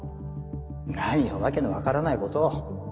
何を訳の分からないことを。